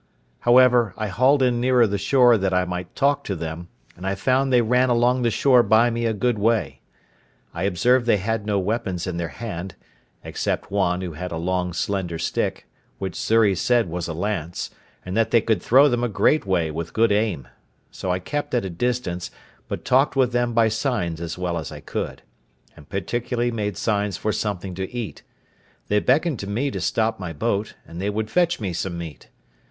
However, I hauled in nearer the shore that I might talk to them, and I found they ran along the shore by me a good way. I observed they had no weapons in their hand, except one, who had a long slender stick, which Xury said was a lance, and that they could throw them a great way with good aim; so I kept at a distance, but talked with them by signs as well as I could; and particularly made signs for something to eat: they beckoned to me to stop my boat, and they would fetch me some meat.